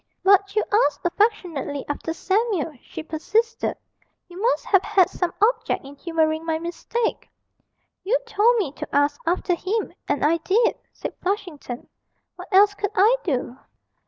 'But you asked affectionately after Samuel,' she persisted; 'you must have had some object in humouring my mistake.' 'You told me to ask after him, and I did,' said Flushington; 'what else could I do?'